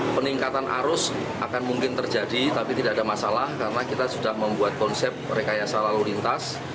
peningkatan arus akan mungkin terjadi tapi tidak ada masalah karena kita sudah membuat konsep rekayasa lalu lintas